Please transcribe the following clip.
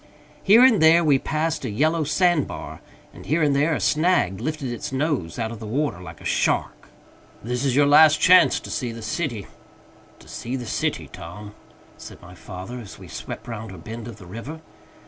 Here and there we passed a yellow sand bar, and here and there a snag lifted its nose out of the water like a shark. "This is your last chance to see the city, To see the city, Tom," said my father, as we swept round a bend of the river.